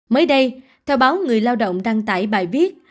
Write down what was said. mới đây theo báo người lao động đăng tải bài viết